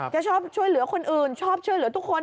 ชอบช่วยเหลือคนอื่นชอบช่วยเหลือทุกคน